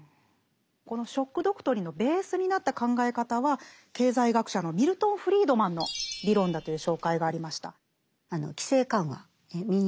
この「ショック・ドクトリン」のベースになった考え方は経済学者のミルトン・フリードマンの理論だという紹介がありました。